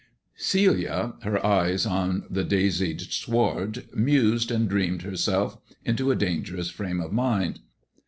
Celia, her eyes on the daisied sward, mused and dreamed herself into a dangerous frame of mind.